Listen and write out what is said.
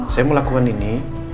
saya melakukan ini